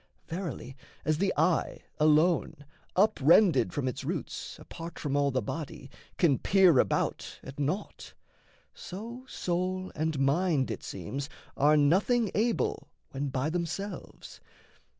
Verily, as the eye, Alone, up rended from its roots, apart From all the body, can peer about at naught, So soul and mind it seems are nothing able, When by themselves.